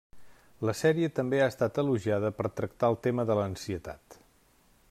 La sèrie també ha estat elogiada per tractar el tema de l'ansietat.